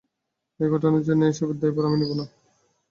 এর ঘটনার জন্য এসবের দায়ভার আমি নিবো না।